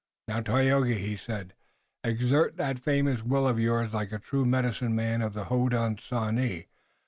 "Now, Tayoga," he said, "exert that famous will of yours like a true medicine man of the Hodenosaunee.